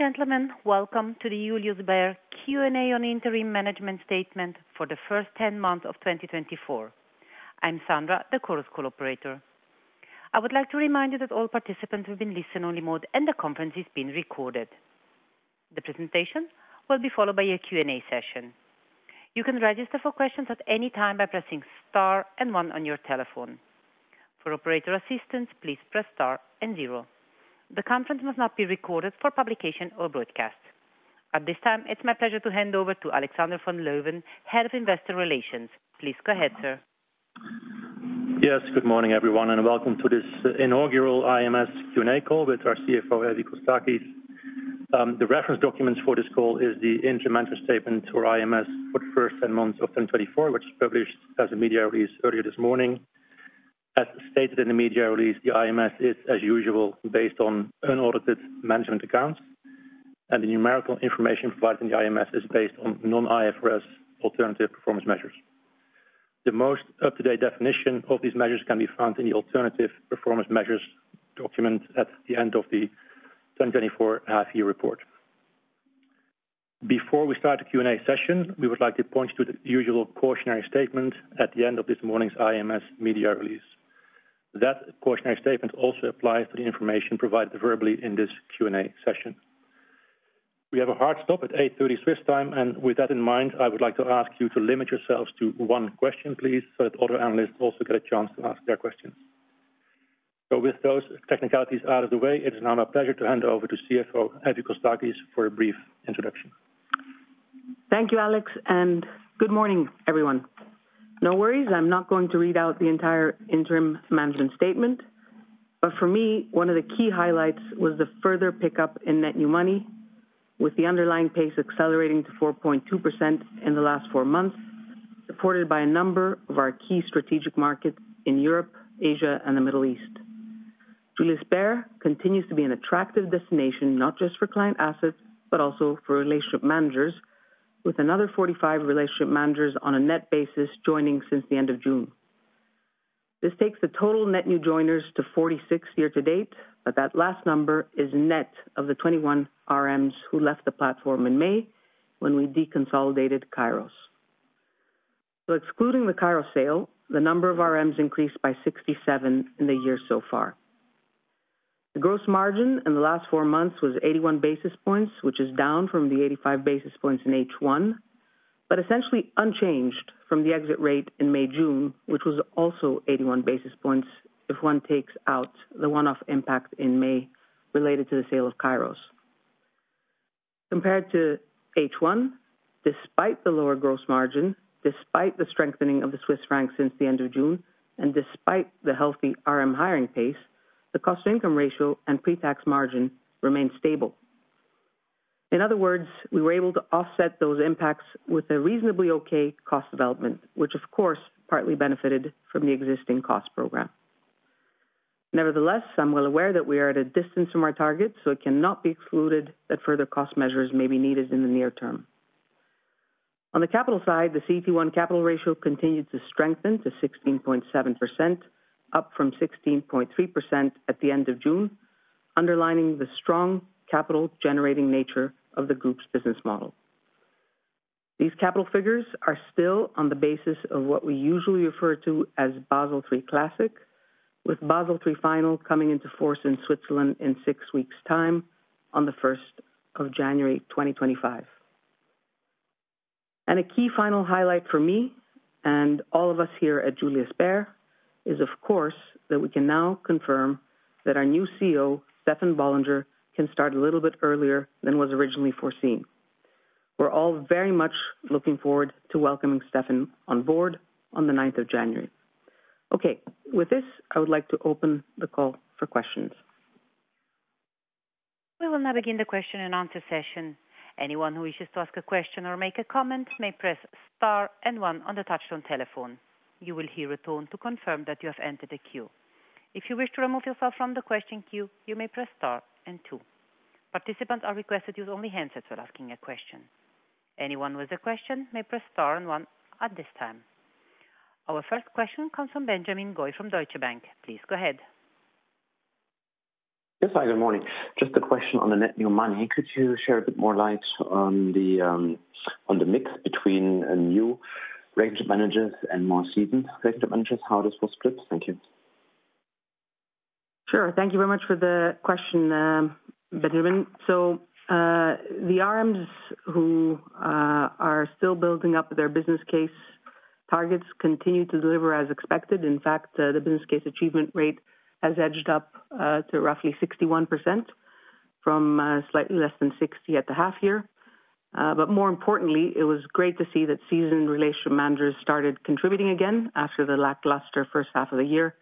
Ladies and gentlemen, welcome to the Julius Bär Q&A on interim management statement for the first 10 months of 2024. I'm Sandra, the Chorus Call operator. I would like to remind you that all participants will be in listen-only mode, and the conference is being recorded. The presentation will be followed by a Q&A session. You can register for questions at any time by pressing star and one on your telephone. For operator assistance, please press star and zero. The conference must not be recorded for publication or broadcast. At this time, it's my pleasure to hand over to Alexander van Leeuwen, Head of Investor Relations. Please go ahead, sir. Yes, good morning, everyone, and welcome to this inaugural IMS Q&A call with our CFO, Evie Kostakis. The reference documents for this call are the interim management statement, or IMS, for the first 10 months of 2024, which was published as a media release earlier this morning. As stated in the media release, the IMS is, as usual, based on unaudited management accounts, and the numerical information provided in the IMS is based on non-IFRS alternative performance measures. The most up-to-date definition of these measures can be found in the alternative performance measures document at the end of the 2024 half-year report. Before we start the Q&A session, we would like to point you to the usual cautionary statement at the end of this morning's IMS media release. That cautionary statement also applies to the information provided verbally in this Q&A session. We have a hard stop at 8:30 A.M. Swiss time, and with that in mind, I would like to ask you to limit yourselves to one question, please, so that other analysts also get a chance to ask their questions. So, with those technicalities out of the way, it is now my pleasure to hand over to CFO Evie Kostakis for a brief introduction. Thank you, Alex, and good morning, everyone. No worries, I'm not going to read out the entire interim management statement, but for me, one of the key highlights was the further pickup in net new money, with the underlying pace accelerating to 4.2% in the last four months, supported by a number of our key strategic markets in Europe, Asia, and the Middle East. Julius Bär continues to be an attractive destination, not just for client assets, but also for relationship managers, with another 45 relationship managers on a net basis joining since the end of June. This takes the total net new joiners to 46 year-to-date, but that last number is net of the 21 RMs who left the platform in May when we deconsolidated Kairos. So, excluding the Kairos sale, the number of RMs increased by 67 in the year so far. The gross margin in the last four months was 81 basis points, which is down from the 85 basis points in H1, but essentially unchanged from the exit rate in May-June, which was also 81 basis points if one takes out the one-off impact in May related to the sale of Kairos. Compared to H1, despite the lower gross margin, despite the strengthening of the Swiss franc since the end of June, and despite the healthy RM hiring pace, the cost-to-income ratio and pre-tax margin remained stable. In other words, we were able to offset those impacts with a reasonably okay cost development, which, of course, partly benefited from the existing cost program. Nevertheless, I'm well aware that we are at a distance from our target, so it cannot be excluded that further cost measures may be needed in the near term. On the capital side, the CET1 capital ratio continued to strengthen to 16.7%, up from 16.3% at the end of June, underlining the strong capital-generating nature of the group's business model. These capital figures are still on the basis of what we usually refer to as Basel III Classic, with Basel III Final coming into force in Switzerland in six weeks' time on the 1st of January 2025. And a key final highlight for me and all of us here at Julius Bär is, of course, that we can now confirm that our new CEO, Stefan Bollinger, can start a little bit earlier than was originally foreseen. We're all very much looking forward to welcoming Stefan on board on the 9th of January. Okay, with this, I would like to open the call for questions. We will now begin the question-and-answer session. Anyone who wishes to ask a question or make a comment may press star and one on the touch-tone telephone. You will hear a tone to confirm that you have entered the queue. If you wish to remove yourself from the question queue, you may press star and two. Participants are requested to use only handsets while asking a question. Anyone with a question may press star and one at this time. Our first question comes from Benjamin Goy from Deutsche Bank. Please go ahead. Yes, hi, good morning. Just a question on the net new money. Could you share a bit more light on the mix between new relationship managers and more seasoned relationship managers? How does this split? Thank you. Sure, thank you very much for the question, Benjamin. So, the RMs who are still building up their business case targets continue to deliver as expected. In fact, the business case achievement rate has edged up to roughly 61% from slightly less than 60% at the half-year. But more importantly, it was great to see that seasoned relationship managers started contributing again after the lackluster first half of the year,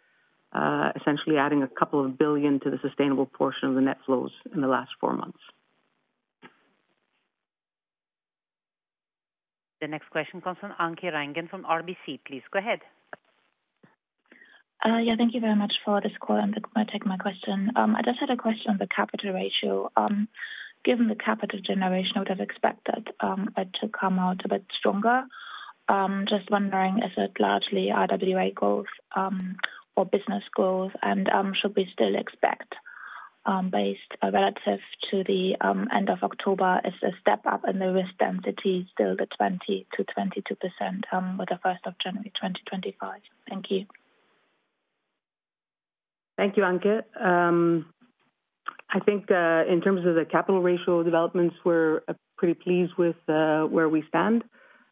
essentially adding a couple of billion to the sustainable portion of the net flows in the last four months. The next question comes from Anke Reingen from RBC. Please go ahead. Yeah, thank you very much for this call. I'm going to take my question. I just had a question on the capital ratio. Given the capital generation, I would have expected it to come out a bit stronger. Just wondering, is it largely RWA growth or business growth, and should we still expect, based relative to the end of October, is a step up in the risk density still the 20%-22% with the 1st of January 2025? Thank you. Thank you, Anke. I think in terms of the capital ratio developments, we're pretty pleased with where we stand,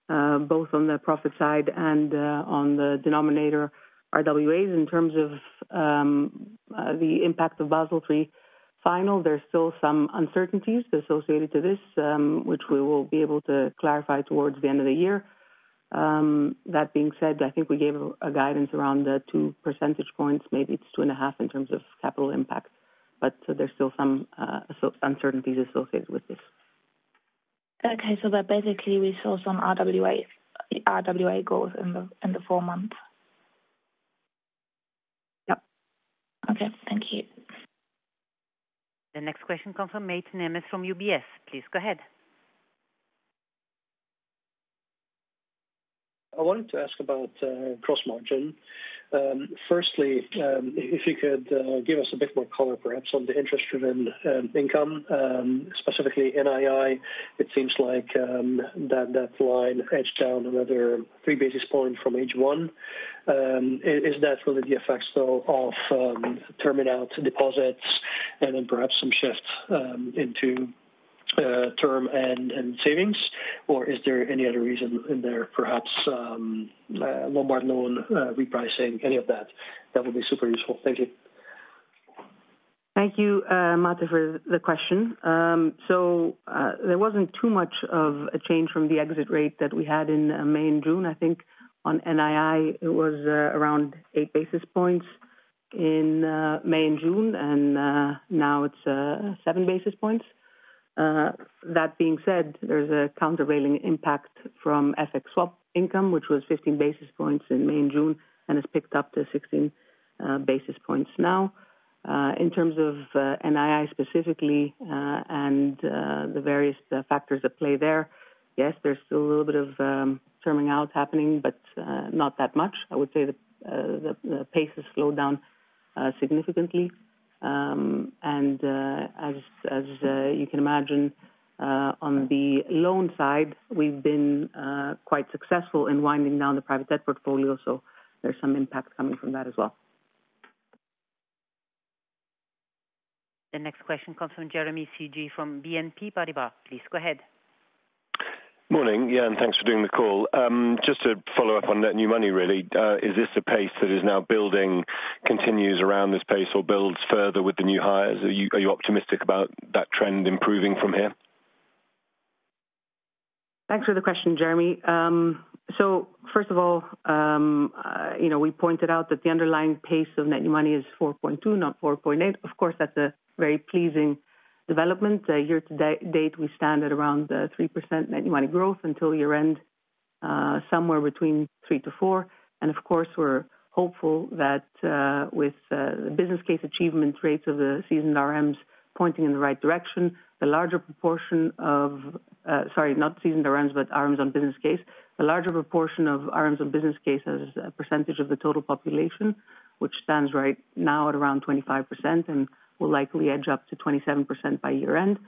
both on the profit side and on the denominator RWAs. In terms of the impact of Basel III Final, there's still some uncertainties associated to this, which we will be able to clarify towards the end of the year. That being said, I think we gave a guidance around two percentage points. Maybe it's two and a half in terms of capital impact, but there's still some uncertainties associated with this. Okay, so that basically results on RWA growth in the four months? Yep. Okay, thank you. The next question comes from Mate Nemes from UBS. Please go ahead. I wanted to ask about gross margin. Firstly, if you could give us a bit more color, perhaps, on the interest-driven income, specifically NII. It seems like that line edged down another three basis points from H1. Is that really the effect of term deposits and then perhaps some shift into term and savings, or is there any other reason in there, perhaps Lombard loan repricing, any of that? That would be super useful. Thank you. Thank you, Mate, for the question. So, there wasn't too much of a change from the exit rate that we had in May and June. I think on NII, it was around eight basis points in May and June, and now it's seven basis points. That being said, there's a countervailing impact from FX swap income, which was 15 basis points in May and June and has picked up to 16 basis points now. In terms of NII specifically and the various factors that play there, yes, there's still a little bit of terming out happening, but not that much. I would say the pace has slowed down significantly. And as you can imagine, on the loan side, we've been quite successful in winding down the private debt portfolio, so there's some impact coming from that as well. The next question comes from Jeremy Sigee from BNP Paribas. Please go ahead. Morning, yeah, and thanks for doing the call. Just to follow up on net new money, really, is this a pace that is now building, continues around this pace, or builds further with the new hires? Are you optimistic about that trend improving from here? Thanks for the question, Jeremy, so first of all, we pointed out that the underlying pace of net new money is 4.2, not 4.8. Of course, that's a very pleasing development. Year-to-date, we stand at around 3% net new money growth until year-end, somewhere between 3%-4%, and of course, we're hopeful that with the business case achievement rates of the seasoned RMs pointing in the right direction, the larger proportion of, sorry, not seasoned RMs, but RMs on business case, the larger proportion of RMs on business case as a percentage of the total population, which stands right now at around 25% and will likely edge up to 27% by year-end,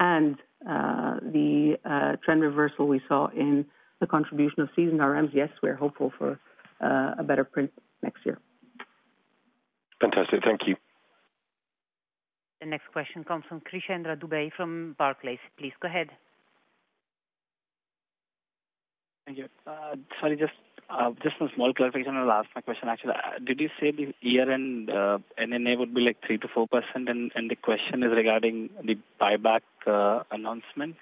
and the trend reversal we saw in the contribution of seasoned RMs, yes, we're hopeful for a better print next year. Fantastic, thank you. The next question comes from Krishnendra Dubey from Barclays. Please go ahead. Thank you. Sorry, just a small clarification on the last question, actually. Did you say the year-end NNM would be like 3%-4%, and the question is regarding the buyback announcement?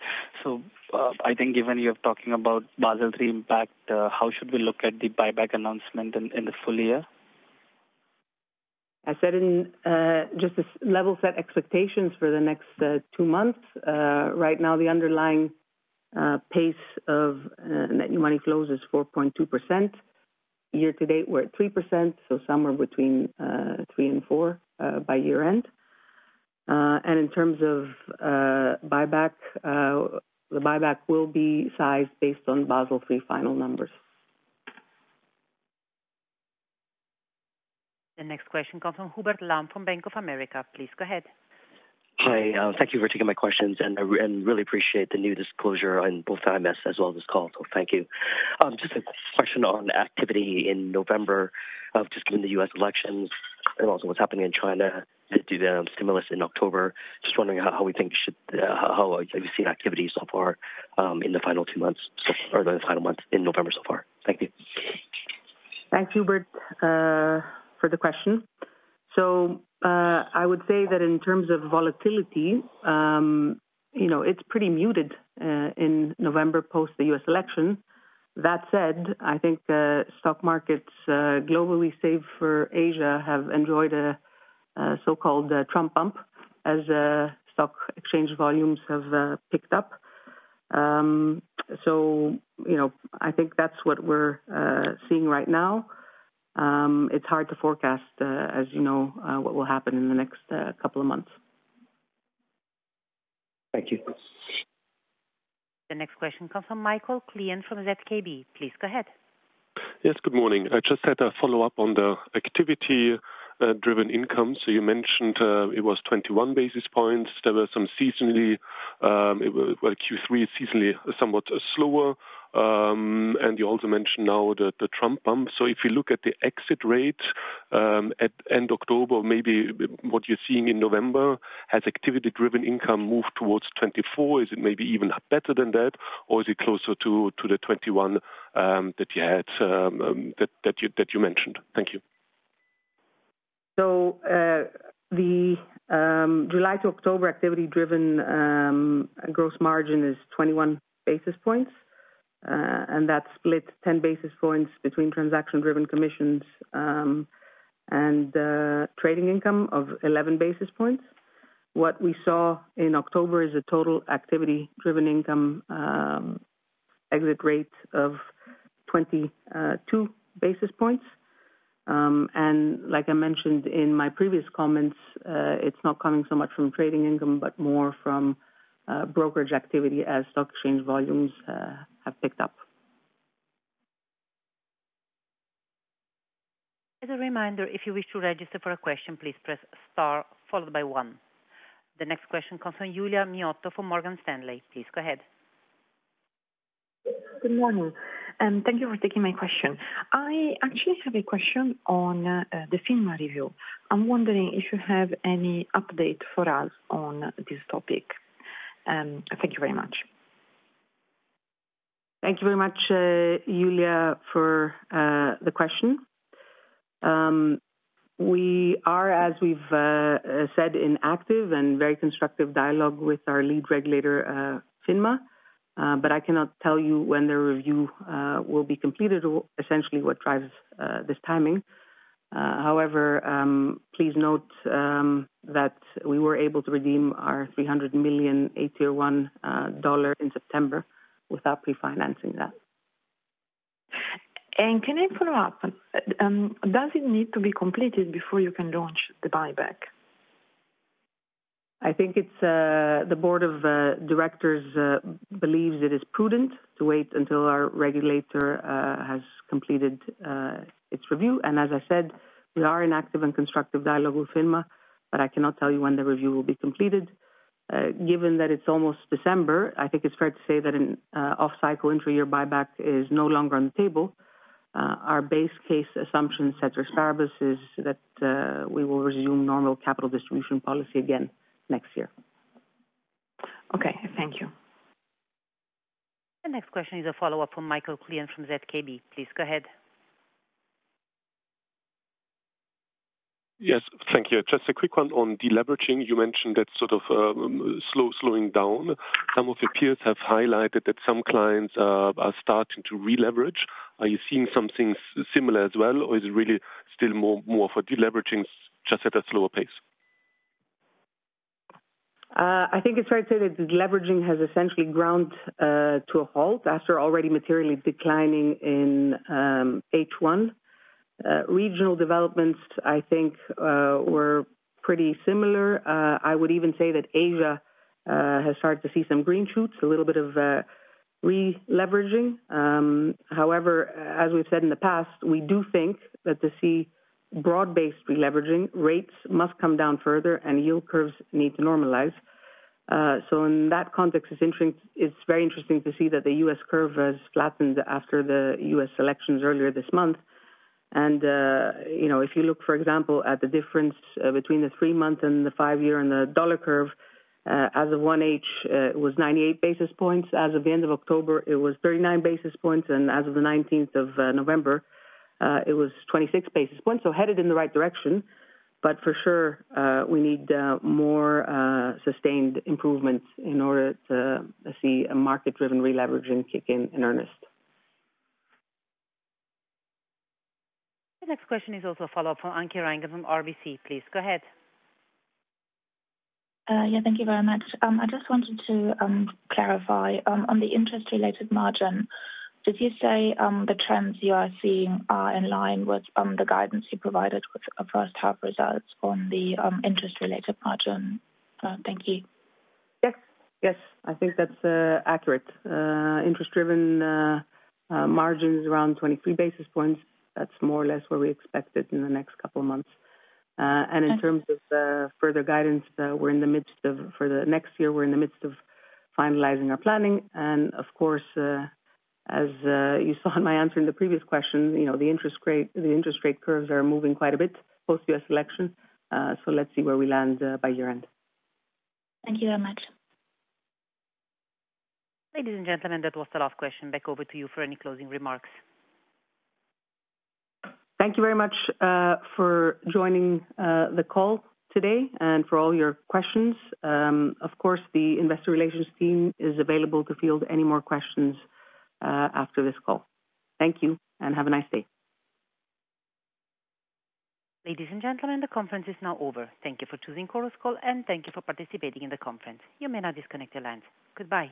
So, I think given you're talking about Basel III impact, how should we look at the buyback announcement in the full year? I said in just to level-set expectations for the next two months. Right now the underlying pace of net new money flows is 4.2%. Year-to-date, we're at 3%, so somewhere between 3%-4% by year-end, and in terms of buyback, the buyback will be sized based on Basel III Final numbers. The next question comes from Hubert Lam from Bank of America. Please go ahead. Hi, thank you for taking my questions, and I really appreciate the new disclosure on both IMS as well as this call, so thank you. Just a question on activity in November, just given the US elections and also what's happening in China, the stimulus in October, just wondering, how have you seen activity so far in the final two months, or the final month in November so far? Thank you. Thanks, Hubert, for the question. So, I would say that in terms of volatility, you know, it's pretty muted in November post the U.S. election. That said, I think stock markets globally, save for Asia, have enjoyed a so-called Trump bump as stock exchange volumes have picked up. So, you know, I think that's what we're seeing right now. It's hard to forecast, as you know, what will happen in the next couple of months. Thank you. The next question comes from Michael Klien from ZKB. Please go ahead. Yes, good morning. I just had a follow-up on the activity-driven income. So, you mentioned it was 21 basis points. There were some seasonal, Q3 somewhat slower, and you also mentioned now the Trump bump. So, if you look at the exit rate at end October, maybe what you're seeing in November, has activity-driven income moved towards 24? Is it maybe even better than that, or is it closer to the 21 that you had, that you mentioned? Thank you. The July to October activity-driven gross margin is 21 basis points, and that split 10 basis points between transaction-driven commissions and trading income of 11 basis points. What we saw in October is a total activity-driven income exit rate of 22 basis points. Like I mentioned in my previous comments, it's not coming so much from trading income, but more from brokerage activity as stock exchange volumes have picked up. As a reminder, if you wish to register for a question, please press star followed by one. The next question comes from Giulia Miotto from Morgan Stanley. Please go ahead. Good morning, and thank you for taking my question. I actually have a question on the FINMA review. I'm wondering if you have any update for us on this topic. Thank you very much. Thank you very much, Giulia, for the question. We are, as we've said, in active and very constructive dialogue with our lead regulator, FINMA, but I cannot tell you when the review will be completed or essentially what drives this timing. However, please note that we were able to redeem our $300 million AT1 dollar in September without pre-financing that. Can I follow up? Does it need to be completed before you can launch the buyback? I think that the board of directors believes it is prudent to wait until our regulator has completed its review. And as I said, we are in active and constructive dialogue with FINMA, but I cannot tell you when the review will be completed. Given that it's almost December, I think it's fair to say that an off-cycle intra-year buyback is no longer on the table. Our base case assumption is that we will resume normal capital distribution policy again next year. Okay, thank you. The next question is a follow-up from Michael Klien from ZKB. Please go ahead. Yes, thank you. Just a quick one on deleveraging. You mentioned that sort of slowing down. Some of your peers have highlighted that some clients are starting to re-leverage. Are you seeing something similar as well, or is it really still more for deleveraging, just at a slower pace? I think it's fair to say that deleveraging has essentially ground to a halt after already materially declining in H1. Regional developments, I think, were pretty similar. I would even say that Asia has started to see some green shoots, a little bit of re-leveraging. However, as we've said in the past, we do think that to see broad-based re-leveraging rates must come down further and yield curves need to normalize. So, in that context, it's very interesting to see that the U.S. curve has flattened after the U.S. elections earlier this month. And, you know, if you look, for example, at the difference between the three-month and the five-year and the dollar curve, as of 1H, it was 98 basis points. As of the end of October, it was 39 basis points, and as of the 19th of November, it was 26 basis points. Headed in the right direction, but for sure, we need more sustained improvements in order to see market-driven re-leveraging kick in in earnest. The next question is also a follow-up from Anke Reingen from RBC. Please go ahead. Yeah, thank you very much. I just wanted to clarify on the interest-related margin. Did you say the trends you are seeing are in line with the guidance you provided with the first half results on the interest-related margin? Thank you. Yes, yes, I think that's accurate. Interest-driven margin is around 23 basis points. That's more or less where we expect it in the next couple of months. And in terms of further guidance, we're in the midst of, for the next year, we're in the midst of finalizing our planning. And of course, as you saw in my answer in the previous question, you know, the interest rate curves are moving quite a bit post U.S. election. So, let's see where we land by year-end. Thank you very much. Ladies and gentlemen, that was the last question. Back over to you for any closing remarks. Thank you very much for joining the call today and for all your questions. Of course, the investor relations team is available to field any more questions after this call. Thank you and have a nice day. Ladies and gentlemen, the conference is now over. Thank you for choosing Chorus Call and thank you for participating in the conference. You may now disconnect your lines. Goodbye.